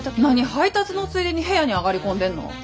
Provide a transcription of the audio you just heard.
なに配達のついでに部屋に上がり込んでんの！